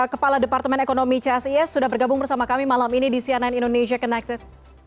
kepala departemen ekonomi csis sudah bergabung bersama kami malam ini di cnn indonesia connected